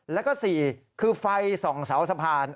แล้วก็๔คือไฟส่องเสาสะพาน